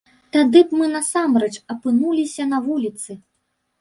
Тады б мы насамрэч апынуліся на вуліцы.